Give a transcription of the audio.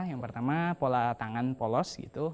yang pertama pola tangan polos gitu